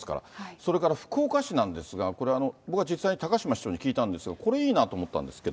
それから福岡市なんですが、僕が実際、たかしま市長に聞いたんですが、これいいなと思ったんですけど。